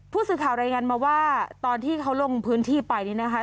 ผู้สื่อข่าวรายงานมาว่าตอนที่เขาลงพื้นที่ไปนี่นะคะ